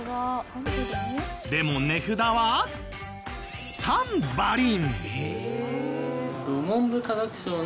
でも値札はタンバリン。